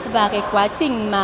và cái quá trình mà